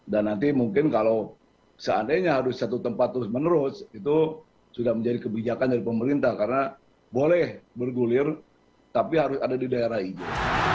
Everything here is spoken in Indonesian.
dan nanti mungkin kalau seandainya harus satu tempat terus menerus itu sudah menjadi kebijakan dari pemerintah karena boleh bergulir tapi harus ada di daerah ini